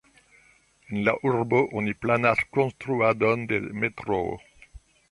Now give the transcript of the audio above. En la urbo oni planas konstruadon de metroo.